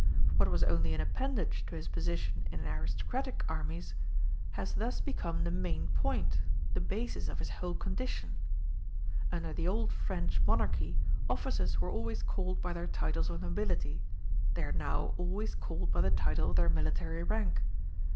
What was only an appendage to his position in aristocratic armies, has thus become the main point, the basis of his whole condition. Under the old French monarchy officers were always called by their titles of nobility; they are now always called by the title of their military rank.